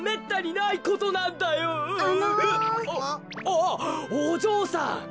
あっおじょうさん。